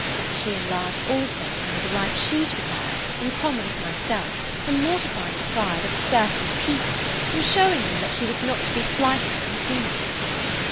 She enlarged also upon the delight she should have, in common with myself, from mortifying the pride of certain people, and showing them that she was not to be slighted with impunity.